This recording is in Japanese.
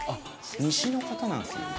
西の方なんですね？